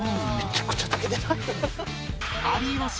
めちゃくちゃ炊けてない？